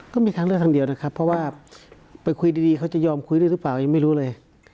ก็มีทางเลือกทางเดียวนะครับเพราะว่าไปคุยดีเขาจะยอมคุยด้วยหรือเปล่ายังไม่รู้เลย